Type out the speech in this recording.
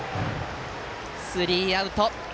スリーアウト。